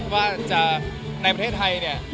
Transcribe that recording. ว่าในประเทศไทยเนี่ย